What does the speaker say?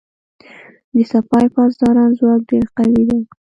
د سپاه پاسداران ځواک ډیر قوي دی.